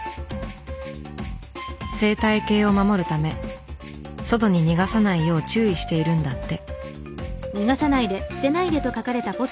生態系を守るため外に逃がさないよう注意しているんだって。